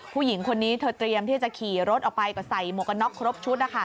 ผู้หญิงคนนี้เธอเตรียมที่จะขี่รถออกไปก็ใส่หมวกกันน็อกครบชุด